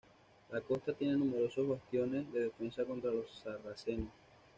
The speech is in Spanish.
La costa tiene numerosos bastiones de defensa contra los sarracenos.